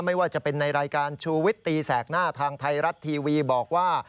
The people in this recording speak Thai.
ไม่ว่าจะเป็นในรายการชูวิตตีแสกหน้าทางไทยรัฐทีวีบอกว่า